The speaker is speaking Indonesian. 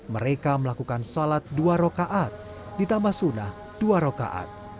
mereka melakukan sholat dua rokaat ditambah sunnah dua rokaat